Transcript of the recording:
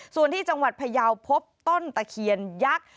ส่วนที่จังหวัดพยาวพบต้นตะเคียนยักษ์